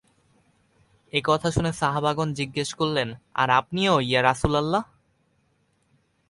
একথা শুনে সাহাবাগণ জিজ্ঞেস করলেন, আর আপনিও ইয়া রাসূলাল্লাহ?